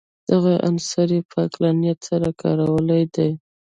دغه عنصر یې په عقلانیت سره کارولی دی.